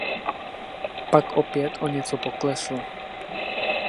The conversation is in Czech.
Pak opět o něco poklesl.